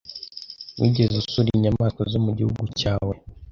Wigeze usura inyamaswa zo mu gihugu cyawe?